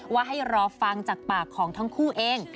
ว่าให้รอฟังจากปากของทั้งคู่เอง